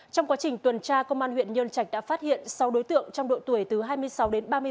trong quá trình tuần tra công an huyện nhân trạch đã phát hiện sáu đối tượng trong độ tuổi từ hai mươi sáu đến ba mươi sáu